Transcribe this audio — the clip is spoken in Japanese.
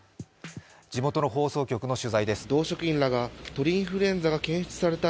地元の放送局の取材です。